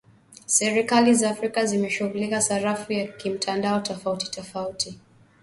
Serikali za Afrika zimeshughulikia sarafu ya kimtandao tofauti tofauti